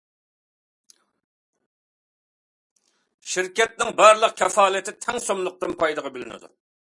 شىركەتنىڭ بارلىق كاپالىتى تەڭ سوملۇقتىن پايغا بۆلۈنىدۇ.